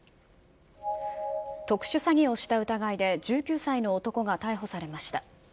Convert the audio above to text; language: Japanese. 特殊詐欺をした疑いで１９歳の男が逮捕されました。